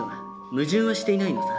矛盾はしていないのさ。